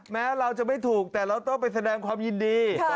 แม้เราจะไม่ถูกแต่เราต้องไปแสดงความยินดี